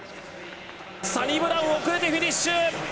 サニブラウン遅れてフィニッシュ！